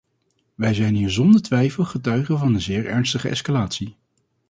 Wij zijn hier zonder twijfel getuige van een zeer ernstige escalatie.